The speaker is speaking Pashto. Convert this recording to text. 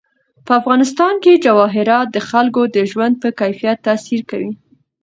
په افغانستان کې جواهرات د خلکو د ژوند په کیفیت تاثیر کوي.